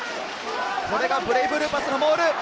これがブレイブルーパスのモール！